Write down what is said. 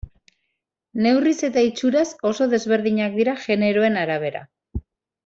Neurriz eta itxuraz oso desberdinak dira generoen arabera.